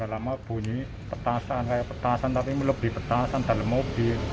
lama bunyi petasan kayak petasan tapi melebihi petasan dalam mobil